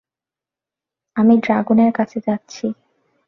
আমি ড্রাগনের কাছে যাচ্ছি।